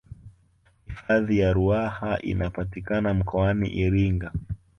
hifadhi ya ruaha inapatikana mkoani iringa